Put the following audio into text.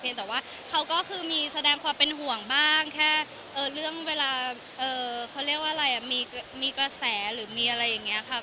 แต่ว่าเขาก็คือมีแสดงความเป็นห่วงบ้างแค่เรื่องเวลาเขาเรียกว่าอะไรมีกระแสหรือมีอะไรอย่างนี้ค่ะ